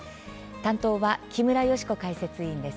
担当は木村祥子解説委員です。